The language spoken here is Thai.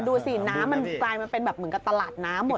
แต่ดูหน้ามันเป็นแบบเหมือนกับตลาดหน้าหมด